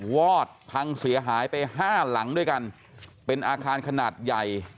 วอดพังเสียหายไปห้าหลังด้วยกันเป็นอาคารขนาดใหญ่